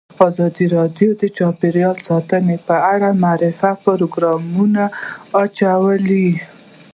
ازادي راډیو د چاپیریال ساتنه په اړه د معارفې پروګرامونه چلولي.